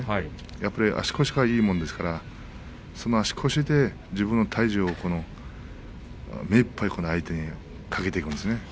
やっぱり足腰がいいものですから足腰で自分の体重を目いっぱい相手にかけていくんですね。